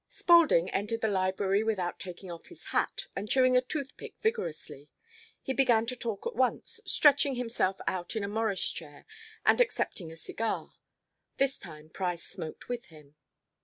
Spaulding entered the library without taking off his hat, and chewing a toothpick vigorously. He began to talk at once, stretching himself out in a Morris chair, and accepting a cigar. This time Price smoked with him.